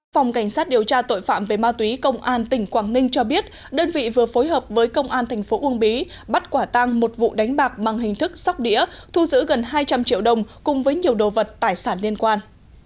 phòng cảnh sát điều tra tội phạm về ma túy công an tỉnh quảng ninh cho biết đơn vị vừa phối hợp với công an thành phố uông bí bắt quả tang một vụ đánh bạc bằng hình thức sóc đĩa thu giữ gần hai trăm linh triệu đồng cùng với nhiều đồ vật tài sản liên quan